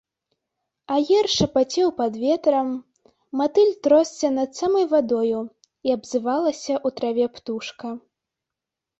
Аер шапацеў пад ветрам, матыль тросся над самай вадою, і абзывалася ў траве птушка.